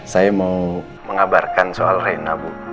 saya mau mengabarkan soal rena bu